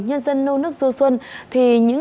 nhân dân nâu nước sâu xuân